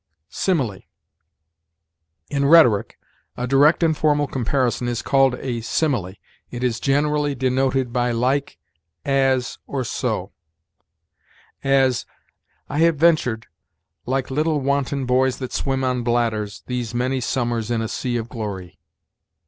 SIMILE. In rhetoric, a direct and formal comparison is called a simile. It is generally denoted by like, as, or so; as, "I have ventured, Like little wanton boys that swim on bladders, These many summers in a sea of glory."